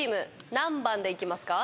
何番でいきますか？